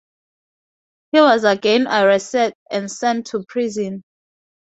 He was again arrested and sent to prison.